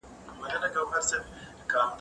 د اقتصادي پلان په مرسته به هیواد پرمختګ وکړي.